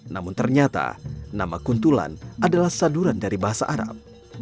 namun ternyata nama kuntulan adalah saduran dari bahasa arab